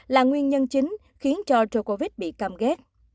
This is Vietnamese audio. là nguyên nhân chính khiến cho djokovic bị căm ghét